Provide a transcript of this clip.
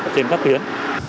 trên các tuyến